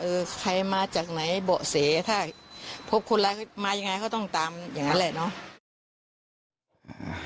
ใครมาจากไหนเบาะแสถ้าพบคนร้ายมายังไงก็ต้องตามอย่างนั้นแหละเนาะ